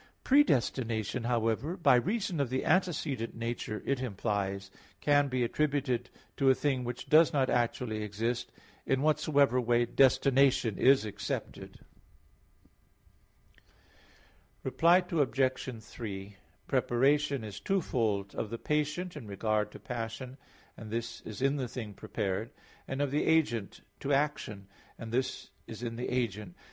Predestination, however, by reason of the antecedent nature it implies, can be attributed to a thing which does not actually exist; in whatsoever way destination is accepted. Reply Obj. 3: Preparation is twofold: of the patient in respect to passion and this is in the thing prepared; and of the agent to action, and this is in the agent.